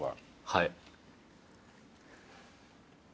はい。